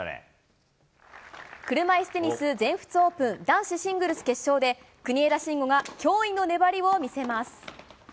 車いすテニス、全仏オープン男子シングルス決勝で、国枝慎吾が驚異の粘りを見せます。